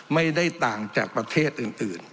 ไม่ได้ต่างจากประเทศอื่น